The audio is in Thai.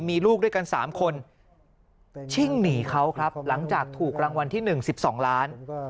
มีลูกด้วยกัน๓คนชิ่งหนีเขาครับหลังจากถูกรางวัลที่๑๑๒ล้าน